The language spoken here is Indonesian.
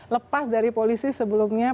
lepas dari polisi sebelumnya